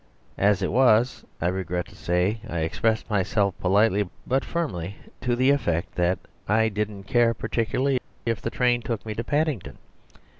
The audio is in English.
As it was, I regret to say, I expressed myself politely, but firmly, to the effect that I didn't care particularly if the train took me to Paddington.